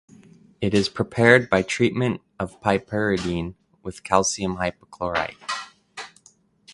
It is prepared by treatment of piperidine with calcium hypochlorite.